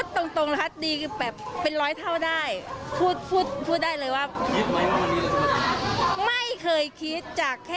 ตอนนี้ก็๕๐๐๐๐๖๐๐๐๐บาทได้นะคะ